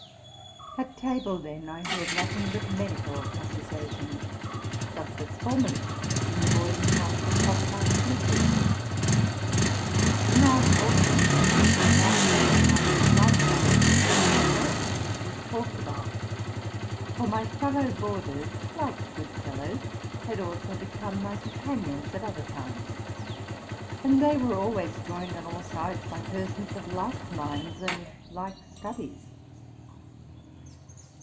At table, then, I heard nothing but medical conversations, just as formerly in the boarding house of Hofrath Ludwig. In our walks and in our pleasure parties likewise not much else was talked about: for my fellow boarders, like good fel lows, had also become my companions at other times; and they were always joined on all sides by persons of like minds and like studies.